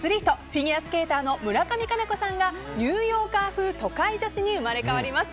フィギュアスケーターの村上佳菜子さんがニューヨーカー風都会女子に生まれ変わります。